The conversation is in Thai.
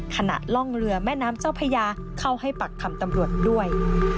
ล่องเรือแม่น้ำเจ้าพญาเข้าให้ปักคำตำรวจด้วย